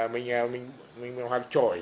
mình hoặc trổi